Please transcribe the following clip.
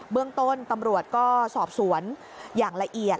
เรื่องต้นตำรวจก็สอบสวนอย่างละเอียด